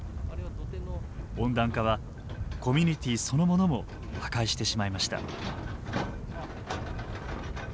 温暖化はコミュニティーそのものも破壊してしまいました。